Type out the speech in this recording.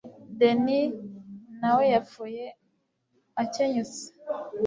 dennis na we yapfuye akenyutse